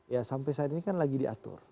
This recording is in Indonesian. ya sampai saat ini kan lagi diatur